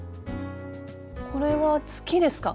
これは月ですか？